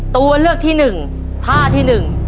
ตัวเลือกที่หนึ่งท่าที่๑